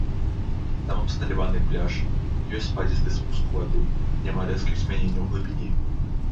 Там абсталяваны пляж, ёсць спадзісты спуск у ваду, няма рэзкіх змяненняў глыбіні.